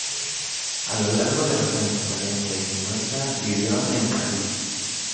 A lo largo de los años cuarenta y cincuenta vivió en París.